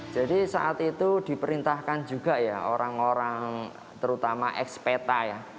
jadi saat itu diperintahkan juga ya orang orang terutama eks peta ya